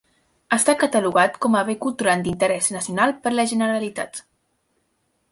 Està catalogat com a Bé Cultural d'Interès Nacional per la Generalitat.